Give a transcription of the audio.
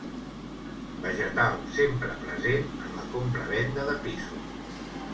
Vegetal sempre present en la compra-venda de pisos.